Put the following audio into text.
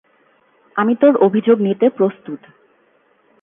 আমি তোর অভিযোগ নিতে প্রস্তুত।